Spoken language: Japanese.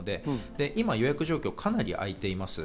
今、予約状況かなり空いています。